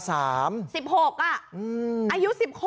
๑๖อ่ะอายุ๑๖